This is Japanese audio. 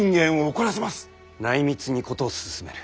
内密に事を進める。